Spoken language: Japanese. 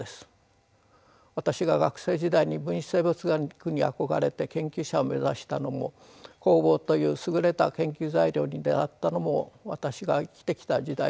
私が学生時代に分子生物学に憧れて研究者を目指したのも酵母という優れた研究材料に出会ったのも私が生きてきた時代を反映しています。